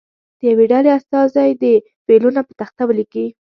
د یوې ډلې استازی دې فعلونه په تخته ولیکي.